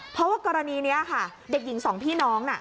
เพราะว่ากรณีนี้ค่ะเด็กหญิงสองพี่น้องน่ะ